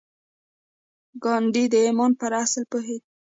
ګاندي د ايمان پر اصل پوهېده.